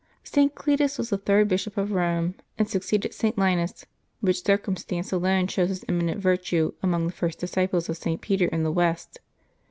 [T. Cletus was the third Bishop of Rome, and suc ceeded St. Linus, which circumstance alone shows his eminent virtue among the first disciples of St. Peter in the West.